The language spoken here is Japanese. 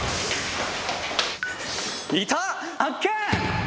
いた発見！